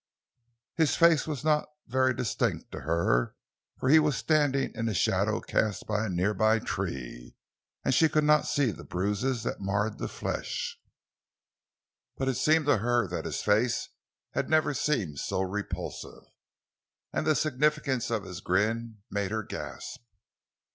His face was not very distinct to her, for he was standing in a shadow cast by a near by tree, and she could not see the bruises that marred the flesh, but it seemed to her that his face had never seemed so repulsive. And the significance of his grin made her gasp.